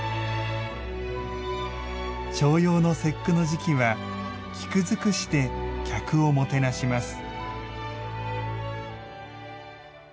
重陽の節句の時期は菊づくしで客をもてなします。